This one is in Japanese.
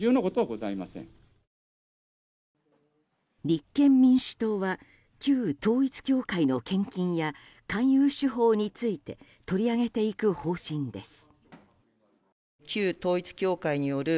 立憲民主党は旧統一教会の献金や勧誘手法について取り上げていく方針です。